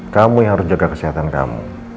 kamu yang harus jaga kesehatan kamu